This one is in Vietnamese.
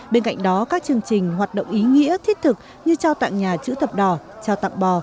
bên cạnh đó các chương trình hoạt động ý nghĩa thiết thực như trao tặng nhà chữ thập đỏ trao tặng bò